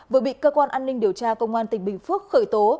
vừa bị cơ quan an ninh điều tra công an tỉnh bình phước khởi tố